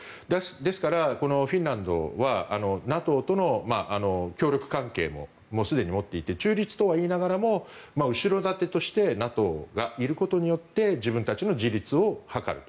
ですから、このフィンランドはＮＡＴＯとの協力関係もすでに持っていて中立とは言いながらも後ろ盾としてＮＡＴＯがいることによって自分たちの自立を図る。